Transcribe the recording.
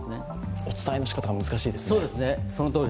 お伝えの仕方が難しいですね。